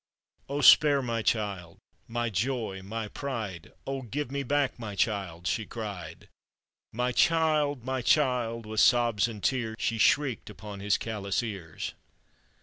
"Oh, spare my child, my joy, my pride, Oh, give me back my child !" she cried; "My child! my child!" with sobs and tears, She shrieked upon his callous ears.